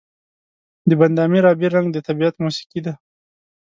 د بند امیر آبی رنګ د طبیعت موسيقي ده.